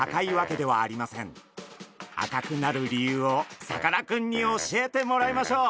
赤くなる理由をさかなクンに教えてもらいましょう。